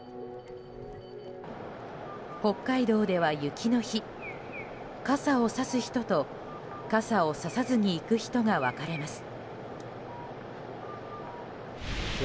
北海道では、雪の日傘をさす人と傘をささずに行く人が分かれます。